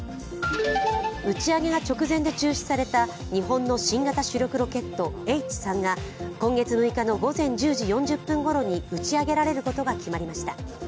打ち上げが直前で中止された日本の新型ロケットＨ３は今月６日の午前１０時４０分ごろに打ち上げられることが決まりました。